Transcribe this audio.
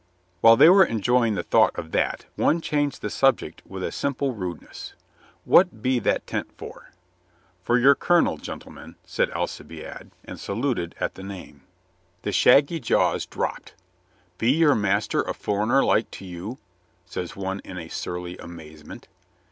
While they were enjoying the thought of that, one changed the subject with a sim ple rudeness. "Who be that tent for?" "For your colonel, gentlemen," said Alcibiade, and saluted at the name. 148 COLONEL GREATHEART The shaggy jaws dropped. "Be your master a foreigner like to you ?" says one in a surly amaze ment.